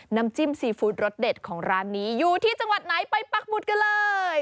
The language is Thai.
น้ำจิ้มซีฟู้ดรสเด็ดของร้านนี้อยู่ที่จังหวัดไหนไปปักหมุดกันเลย